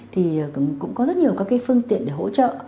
thì cũng có rất nhiều các cái phương tiện để hỗ trợ